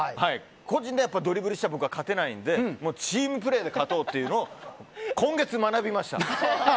個人でドリブルしても僕は勝てないのでチームプレーで勝とうというのを今月、学びました。